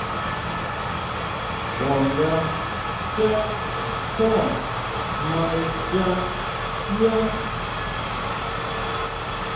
Kuá nga xchá sá maa ichá yá.